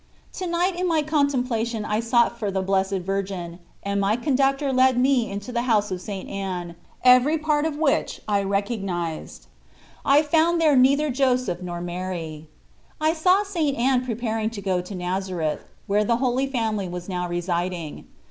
To night in my contemplation I sought for the Blessed Virgin, and my conductor led me into the house of St. Anne, every part of which I recognised. I found there neither Joseph nor Mary. I saw St. Anne preparing to go to Nazareth, where the Holy Family was now residing.